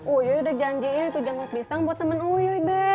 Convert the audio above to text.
uyuy udah janjiin jantung pisang buat temen uyuy